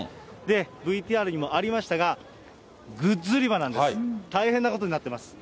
ＶＴＲにもありましたが、グッズ売り場なんですけど、大変なことになってます。